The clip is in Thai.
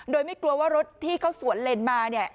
โดยไม่กลัวว่ารถที่เขาสวนเลนมาเนี่ย